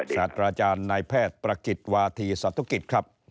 สัตว์อาจารย์นายแพทย์ประกิจวาธีศาสตร์ธุรกิจครับ